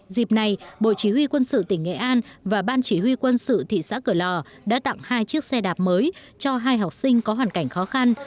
dịp này bộ chỉ huy quân sự tỉnh nghệ an và ban chỉ huy quân sự thị xã cửa lò đã tặng hai chiếc xe đạp mới cho hai học sinh có hoàn cảnh khó khăn